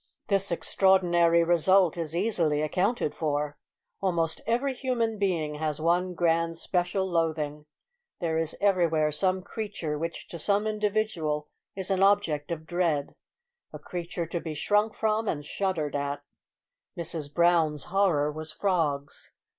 This extraordinary result is easily accounted for. Almost every human being has one grand special loathing. There is everywhere some creature which to some individual is an object of dread a creature to be shrunk from and shuddered at. Mrs Brown's horror was frogs.